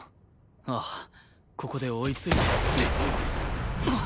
ああここで追いついて。